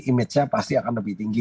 image nya pasti akan lebih tinggi